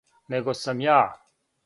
Него сам ја.